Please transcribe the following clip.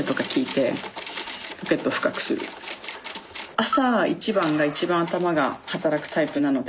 朝一番が一番頭が働くタイプなので。